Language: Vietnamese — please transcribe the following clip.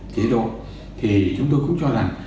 chế độ thì chúng tôi cũng cho rằng